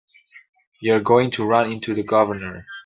You're going to run into the Governor.